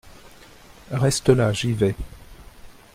Reste là, j’y vais.